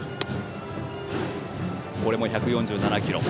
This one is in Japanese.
これも１４７キロ。